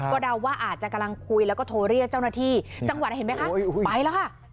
ก็เดาว่าอาจจะกำลังคุยแล้วก็โทรเรียกเจ้าหน้าที่จังหวะเห็นไหมคะไปแล้วค่ะ